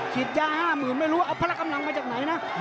ฉีดยาห้ามืนไม่รู้เอาพลักกำลังไปจากไหนนะ